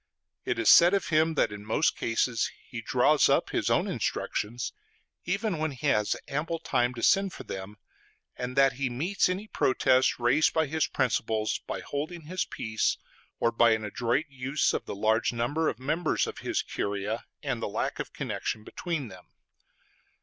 It is said of him that in most cases he draws up his own instructions, even when he has ample time to send for them, and that he meets any protest raised by his principals by holding his peace, or by an adroit use of the large number of members of his Curia and the lack of connection between them.